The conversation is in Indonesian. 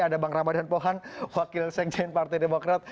ada bang ramadhan pohan wakil sekjen partai demokrat